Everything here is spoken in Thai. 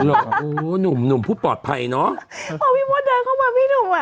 เหรอหนุ่มหนุ่มหนุ่มผู้ปลอดภัยเนอะโอ้พี่มดเดินเข้ามาพี่หนุ่มอ่ะ